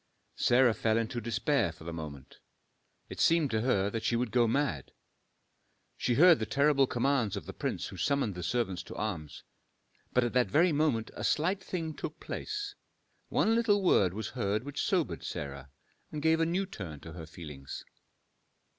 Sarah fell into despair for the moment: it seemed to her that she would go mad. She heard the terrible commands of the prince who summoned the servants to arms. But at that very moment a slight thing took place, one little word was heard which sobered Sarah, and gave a new turn to her feelings.